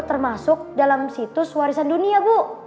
termasuk dalam situs warisan dunia bu